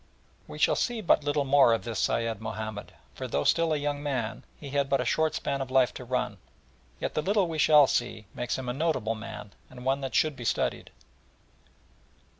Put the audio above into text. We shall see but little more of this Sayed Mahomed, for though still a young man, he had but a short span of life to run, yet the little we shall see makes him a notable man, and one that should be studied.